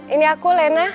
ini aku lena